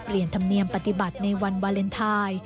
ธรรมเนียมปฏิบัติในวันวาเลนไทย